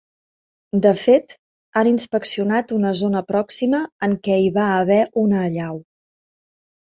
De fet, han inspeccionat una zona pròxima en què hi va haver una allau.